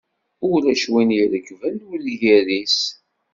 Ulac wi irekben ur iris.